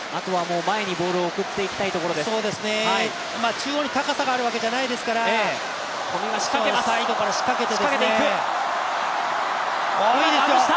中央に高さがあるわけじゃないですからサイドから仕掛けて。